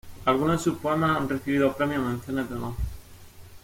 Algunos de sus poemas han recibido premios o menciones de honor.